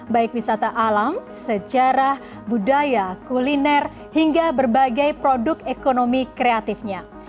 baik wisata alam sejarah budaya kuliner hingga berbagai produk ekonomi kreatifnya